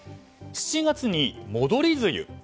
７月に戻り梅雨。